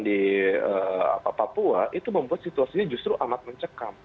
di papua itu membuat situasinya justru amat mencekam